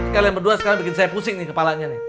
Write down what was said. kalian berdua sekarang bikin saya pusing nih kepalanya nih